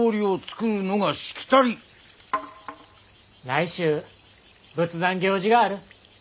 来週仏壇行事がある。